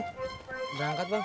udah angkat bang